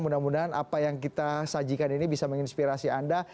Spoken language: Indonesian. mudah mudahan apa yang kita sajikan ini bisa menginspirasi anda